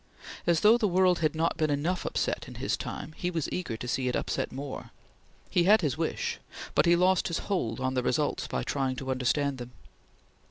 As though the world had not been enough upset in his time, he was eager to see it upset more. He had his wish, but he lost his hold on the results by trying to understand them.